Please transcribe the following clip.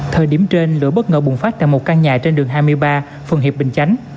thời điểm trên lửa bất ngờ bùng phát tại một căn nhà trên đường hai mươi ba phường hiệp bình chánh